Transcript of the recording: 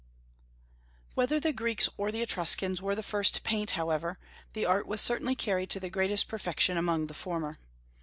Whether the Greeks or the Etruscans were the first to paint, however, the art was certainly carried to the greatest perfection among the former.